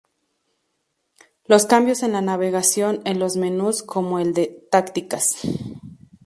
Los cambios en la navegación en los menús como el de "Tácticas".